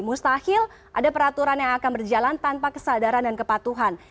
mustahil ada peraturan yang akan berjalan tanpa kesadaran dan kepatuhan